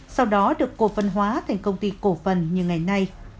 sau đó được cổ phân hóa thành công ty cổ phần như ngày nay